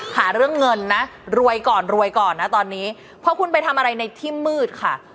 หาเรื่องเงินนะรวยก่อนรวยก่อนนะตอนนี้พอคุณไปทำอะไรในที่มืดค่ะ